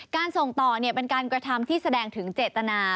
การส่งต่อเป็นการกระทำที่แสดงถึงเจตนา